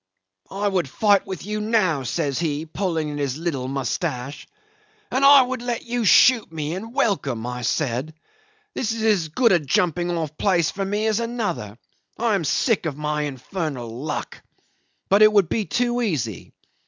...' 'I would fight with you now,' says he, pulling at his little moustache. 'And I would let you shoot me, and welcome,' I said. 'This is as good a jumping off place for me as another. I am sick of my infernal luck. But it would be too easy.